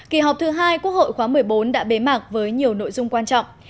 kỳ họp thứ hai quốc hội khóa một mươi bốn đã bế mạc với nhiều nội dung quan trọng